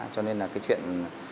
cho nên là cái chuyện